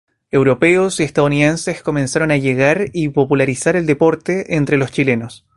Europeos y estadounidenses comenzaron a llegar y a popularizar el deporte entre los chilenos.